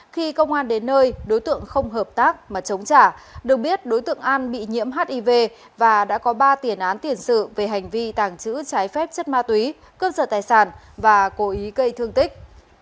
khi công an đến nơi đối tượng không hợp tác mà chống trả đừng biết đối tượng an bị nhiễm hiv và đã có ba tiền án tiền sự về hành vi tàng trữ trái phép chất ma túy cướp sở tài sản và cố ý gây thương tích